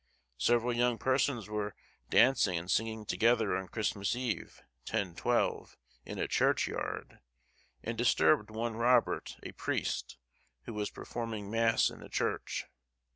Several young persons were dancing and singing together on Christmas Eve, 1012, in a churchyard, and disturbed one Robert, a priest, who was performing mass in the church.